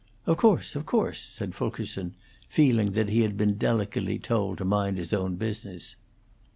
"Of course, of course," said Fulkerson, feeling that he had been delicately told to mind his own business.